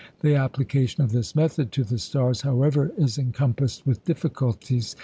The application of this method to the stars, however, is encompassed with difficulties.